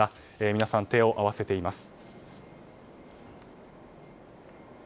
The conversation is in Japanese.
皆さん、手を合わせています。